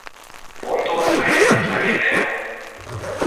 Ponto trairas la riveron.